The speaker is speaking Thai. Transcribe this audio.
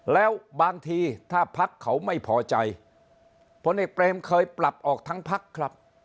แล้วบางทีถ้าพักเขาไม่พอใจพลเอกเปรมเคยปรับออกทั้งพักครับ